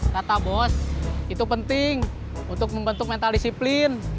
kata bos itu penting untuk membentuk mental disiplin